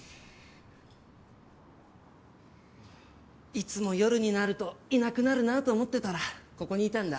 いつも夜になるといなくなるなと思ってたらここにいたんだ。